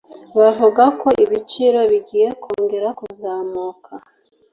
Bavuga ko ibiciro bigiye kongera kuzamuka.